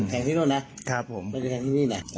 แทงที่โน่นนะไม่ได้แทงที่นี่น่ะครับผม